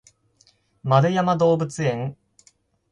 円山動物園